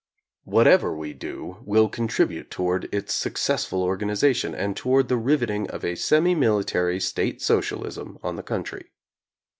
Whatever we do will contribute to ward its successful organization, and toward the riveting of a semi military State socialism on the country.